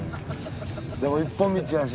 でも一本道やし。